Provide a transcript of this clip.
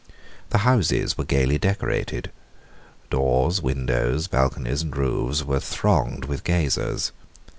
The houses were gaily decorated. Doors, windows, balconies, and roofs were thronged with gazers.